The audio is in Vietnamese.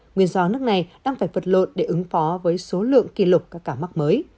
nguyên do nước này đang phải vật lộn để ứng phó với số lượng kỷ lục các ca mắc mới